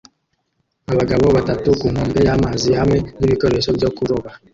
Abagabo batatu ku nkombe y'amazi hamwe nibikoresho byo kuroba